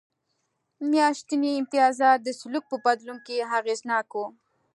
میاشتني امتیازات د سلوک په بدلون کې اغېزناک و.